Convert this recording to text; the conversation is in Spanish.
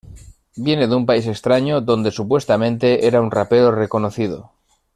Viene de un país extraño, donde supuestamente era un rapero reconocido.